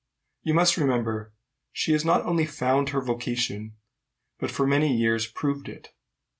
"You must remember she has not only found her vocation, but for many years proved it.